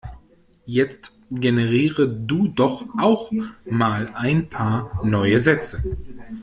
Jetzt generiere du doch auch mal ein paar neue Sätze.